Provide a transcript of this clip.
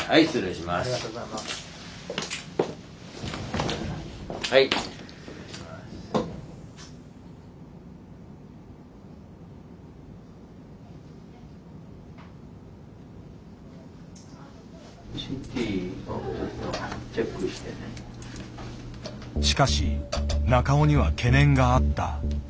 しかし中尾には懸念があった。